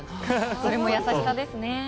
それも優しさですね。